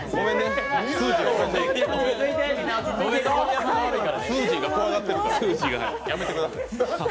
すーじーが怖がってるからやめてください。